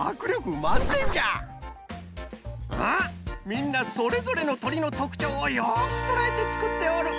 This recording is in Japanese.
みんなそれぞれのとりのとくちょうをよくとらえてつくっておる！